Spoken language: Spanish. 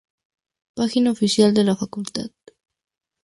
Página oficial de la Facultad